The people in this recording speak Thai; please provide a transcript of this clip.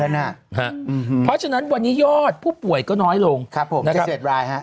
อืมหือพอฉะนั้นวันนี้ยอดผู้ป่วยก็น้อยลงครับผมนะครับเชษฐรายฮะ